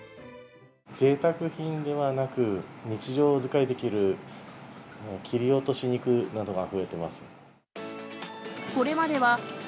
ぜいたく品ではなく、日常使いできる切り落とし肉などが増えてます。